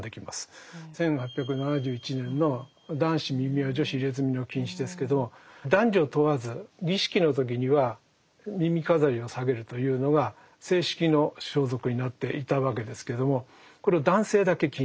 １８７１年の「男子耳輪・女子入墨の禁止」ですけど男女を問わず儀式の時には耳飾りをさげるというのが正式の装束になっていたわけですけれどもこれを何で男性だけ？